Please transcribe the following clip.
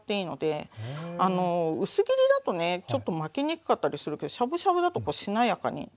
薄切りだとねちょっと巻きにくかったりするけどしゃぶしゃぶだとこうしなやかになるので。